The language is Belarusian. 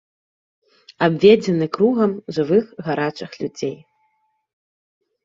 Абведзены кругам жывых гарачых людзей.